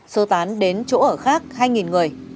sơ tán đến chỗ ở khác hai người